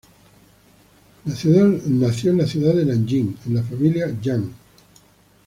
Nació en la ciudad Nanjing en la familia Yang.